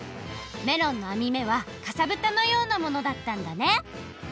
メロンのあみ目はかさぶたのようなものだったんだね！